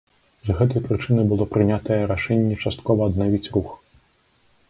З гэтай прычыны было прынятае рашэнне часткова аднавіць рух.